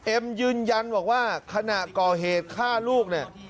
ยืนยันบอกว่าขณะก่อเหตุฆ่าลูกเนี่ย